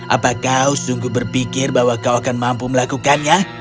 apa kau sungguh berpikir bahwa kau akan mampu melakukannya